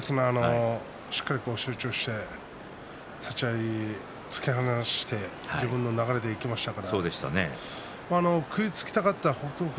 しっかり集中して立ち合い突き放して自分の流れでいきましたね。